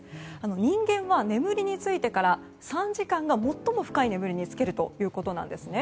人間は眠りに就いてから３時間が最も深い眠りに就けるということなんですね。